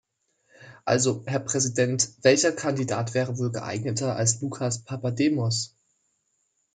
Also, Herr Präsident, welcher Kandidat wäre wohl geeigneter als Lucas Papademos?